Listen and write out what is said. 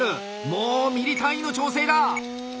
もうミリ単位の調整だ！